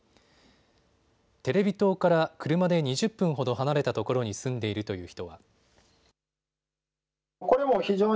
テレビ塔から車で２０分ほど離れた所に住んでいるという人は。